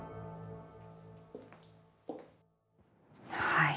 はい。